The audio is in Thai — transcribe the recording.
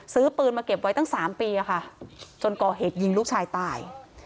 ซื้อปืนมาเก็บไว้ตั้ง๓ปีจนก่อเหตุยิงลูกชายตาย